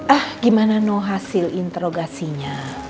ah gimana no hasil interogasinya